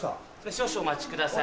少々お待ちください。